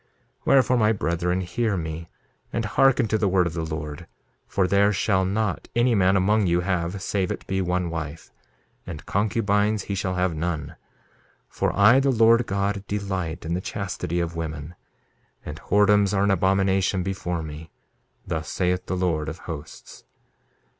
2:27 Wherefore, my brethren, hear me, and hearken to the word of the Lord: For there shall not any man among you have save it be one wife; and concubines he shall have none; 2:28 For I, the Lord God, delight in the chastity of women. And whoredoms are an abomination before me; thus saith the Lord of Hosts.